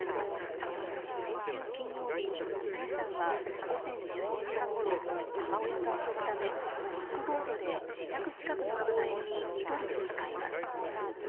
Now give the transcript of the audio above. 先週金曜日、朝芽さんは午前１１時半ごろ母親と遊ぶためキックボードで自宅近くの公園に１人で向かいます。